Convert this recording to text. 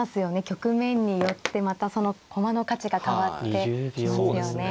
局面によってまたその駒の価値が変わってきますよね。